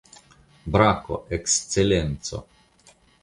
Brako, Ekscelenco.